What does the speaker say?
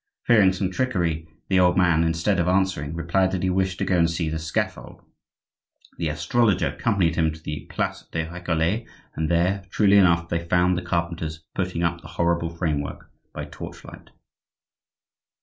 Fearing some trickery, the old man, instead of answering, replied that he wished to go and see the scaffold. The astrologer accompanied him to the place des Recollets, and there, truly enough, they found the carpenters putting up the horrible framework by torchlight.